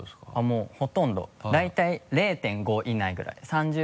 もうほとんどだいたい０．５以内ぐらいです。